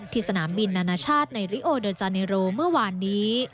สนามบินนานาชาติในริโอเดอร์จาเนโรเมื่อวานนี้